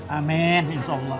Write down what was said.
amin insya allah